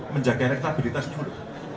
menjaga elektabilitas dulu